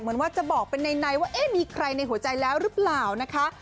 เหมือนว่าจะบอกเป็นในว่าเอ๊ะมีใครในหัวใจแล้วหรือเปล่านะคะ